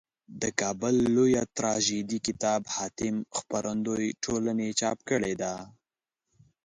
دکابل لویه تراژیدي کتاب حاتم خپرندویه ټولني چاپ کړیده.